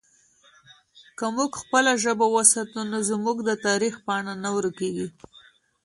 که موږ خپله ژبه وساتو نو زموږ د تاریخ پاڼې نه ورکېږي.